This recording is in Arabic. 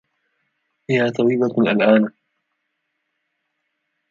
هي طبيبة الآن.